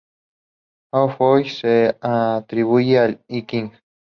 A Fo-Hi se le atribuye el "I-King".